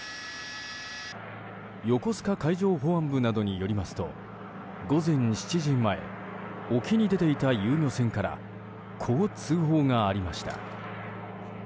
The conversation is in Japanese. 横須賀海上保安部などによりますと午前７時前沖に出ていた遊漁船からこう通報がありました。